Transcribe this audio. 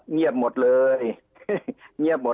เงียบหมดเลย